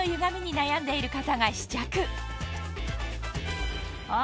悩んでいる方が試着あ。